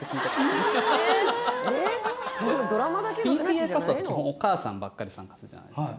ＰＴＡ活動って基本お母さんばっかり参加するじゃないですか